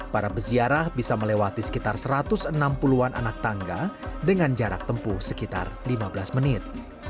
para peziarah bisa melewati sekitar satu ratus enam puluh an anak tangga dengan jarak tempuh sekitar lima belas menit